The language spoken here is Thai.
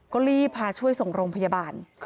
ก็รีบพาช่วยส่งโรงพยาบาล